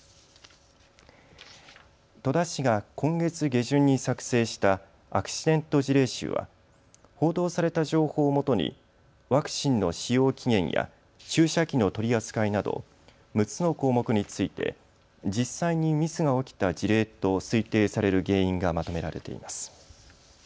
戸田市が今月下旬に作成したアクシデント事例集は報道された情報をもとにワクチンの使用期限や注射器の取り扱いなど６つの項目について実際にミスが起きた事例と推定される原因がまとめられています。